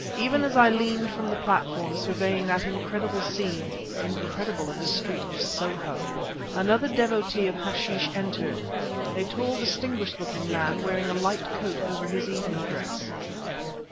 Even as I leaned from the platform, surveying that incredible scene (incredible in a street of Soho), another devotee of hashish entered a tall, distinguished looking man, wearing a light coat over his evening dress.